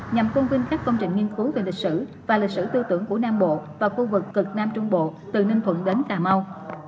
nhằm tôn vinh các công trình nghiên cứu về lịch sử và lịch sử tư tưởng của nam bộ và khu vực cực nam trung bộ từ ninh thuận đến cà mau